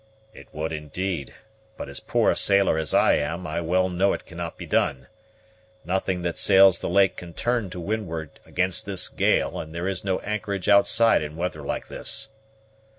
"It would indeed; but, as poor a sailor as I am, I well know it cannot be done. Nothing that sails the lake can turn to windward against this gale; and there is no anchorage outside in weather like this."